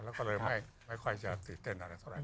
แล้วก็เลยไม่ค่อยจะตื่นเต้นอะไรเท่าไห